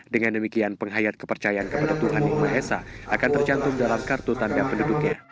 dengan demikian penghayat kepercayaan kepada tuhan imaesa akan tercantum dalam kartu tanda penduduknya